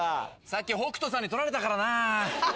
さっき北斗さんに取られたからな。